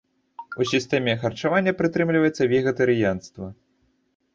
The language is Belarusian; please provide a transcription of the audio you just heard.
У сістэме харчавання прытрымліваецца вегетарыянства.